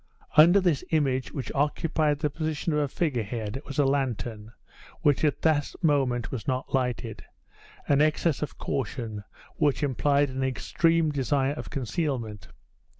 Under this image, which occupied the position of a figurehead, was a lantern, which at this moment was not lighted an excess of caution which implied an extreme desire of concealment.